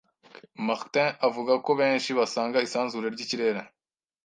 Martin avuga ko benshi basanga isanzure ry'ikirere